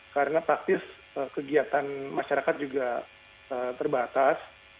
karena praktis kegiatan masyarakat juga terbatas